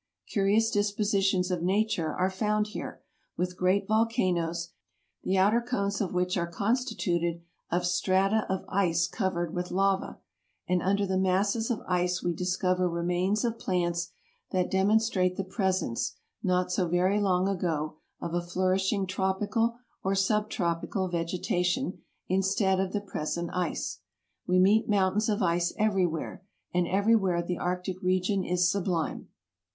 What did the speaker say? Curious dispositions of Nature are found here, with great volcanoes, the outer cones of which are constituted of strata of ice covered with lava, and under the masses of ice we discover remains of plants that demonstrate the presence not so very long ago of a flourishing tropical or subtropical veg etation instead of the present ice. We meet mountains of ice everywhere, and everywhere the arctic region is sublime.